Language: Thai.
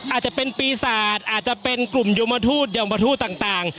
อาจจะเป็นปีศาจอาจจะเป็นกลุ่มยมทูตยมทูตต่าง